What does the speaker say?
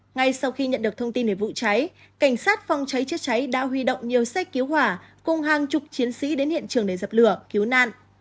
ngay sau khi nhận được thông tin về vụ cháy cảnh sát phòng cháy chữa cháy đã huy động nhiều xe cứu hỏa cùng hàng chục chiến sĩ đến hiện trường để dập lửa cứu nạn